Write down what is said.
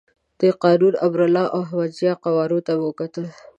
د قانوني، امرالله او احمد ضیاء قوارو ته مې کتل.